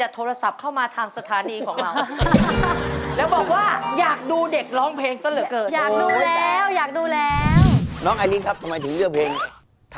ตอนนี้ไม่รู้อะ